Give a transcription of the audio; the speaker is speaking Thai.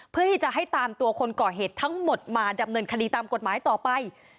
เพื่อที่จะให้ตามตัวคนก่อเหตุทั้งหมดมาดำเนินคดีตามกฎหมายต่อไป